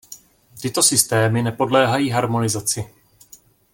Tyto systémy nepodléhají harmonizaci.